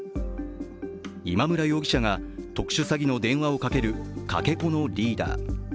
今村容疑者が特殊詐欺の電話をかけるかけ子のリーダー。